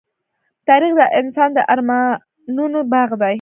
تاریخ د انسان د ارمانونو باغ دی.